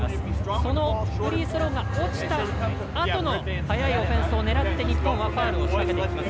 そのフリースローが落ちたあとの早いオフェンスを狙って日本はファウルを取らせにいきます。